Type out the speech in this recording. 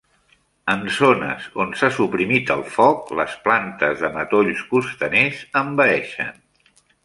En zones on s'ha suprimit el foc, les plantes de matolls costaners envaeixen.